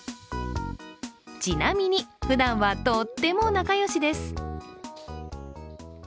ちなみに、ふだんはとっても仲良しです。